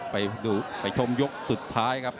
ไปชมยกสุดท้ายครับ